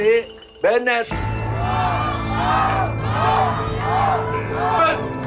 ไม่ตรงนะครับ